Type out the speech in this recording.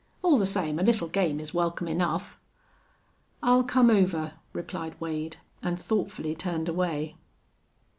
All the same a little game is welcome enough." "I'll come over," replied Wade, and thoughtfully turned away.